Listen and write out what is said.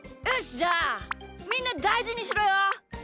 じゃあみんなだいじにしろよ。